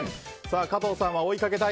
加藤さんは追いかけたい。